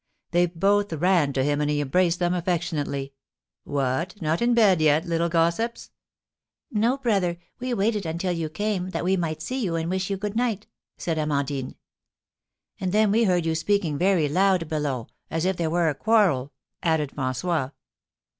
They both ran to him, and he embraced them affectionately. "What! Not in bed yet, little gossips?" "No, brother, we waited until you came, that we might see you, and wish you good night," said Amandine. "And then we heard you speaking very loud below, as if there were a quarrel," added François.